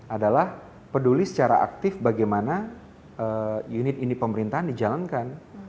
adalah peduli secara aktif bagaimana unit ini pemerintahan dijalankan